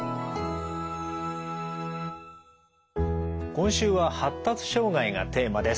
今週は「発達障害」がテーマです。